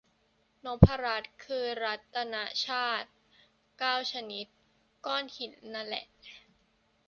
นพรัตน์ คือรัตนชาติเก้าชนิด ก้อนหินน่ะแหละ